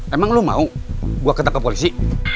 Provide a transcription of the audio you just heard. emang lo mau gue ketangkep polisi